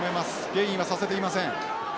ゲインはさせていません。